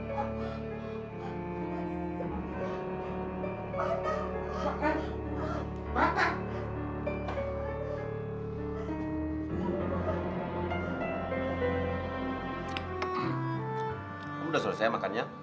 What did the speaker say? kamu sudah selesai makan ya